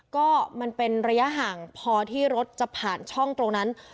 ก็มันเป็นระยะห่างพอที่รถจะผ่านช่องตรงนั้น